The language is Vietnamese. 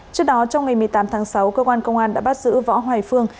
trước đó trong ngày một mươi tám tháng sáu cơ quan công an đã bắt giữ võ hoài phương